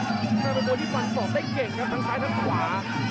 แพทย์น้ำหนึ่งเป็นคนที่ฟันสอบได้เก่งครับทางซ้ายทางขวา